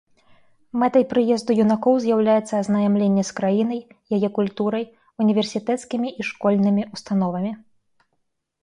Мэтай прыезду юнакоў з'яўляецца азнаямленне з краінай, яе культурай, універсітэцкімі і школьнымі ўстановамі.